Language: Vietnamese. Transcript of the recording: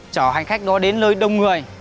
chở hành khách đó đến nơi đông người